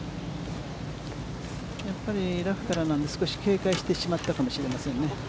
やっぱりラフからなので、少し警戒してしまったかもしれませんね。